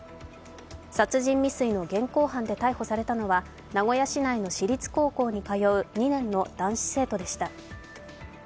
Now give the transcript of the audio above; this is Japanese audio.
殺人未遂の現行犯で逮捕されたのは名古屋市内の私立高校に通う２年の男子生徒でした。